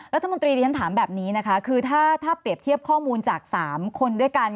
รัฐมนตรีที่ฉันถามแบบนี้นะคะคือถ้าเปรียบเทียบข้อมูลจาก๓คนด้วยกัน